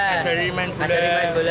ajarin main bola